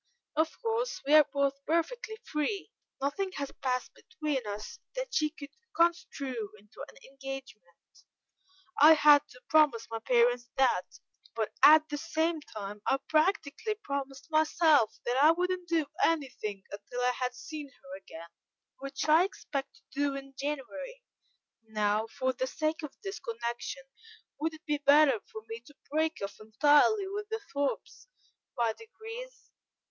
Of course, we are both perfectly free; nothing has passed between us that she could construe into an engagement; I had to promise my parents that: but at the same time I practically promised myself that I wouldn't do anything until I had seen her again, which I expect to do in January. Now, for the sake of this connection, would it be better for me to break off entirely with the Thorpes by degrees?